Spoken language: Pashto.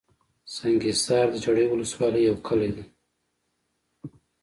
سنګحصار دژړۍ ولسوالۍ يٶ کلى دئ